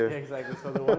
ini scene kejahatan bukan